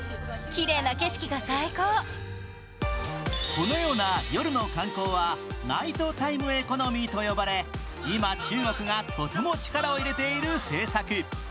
このような夜の観光はナイトタイムエコノミーと呼ばれ、今、中国がとても力を入れている政策。